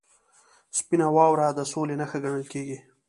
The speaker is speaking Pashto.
• سپینه واوره د سولې نښه ګڼل کېږي.